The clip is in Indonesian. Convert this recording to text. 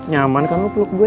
nyaman kan lo peluk gue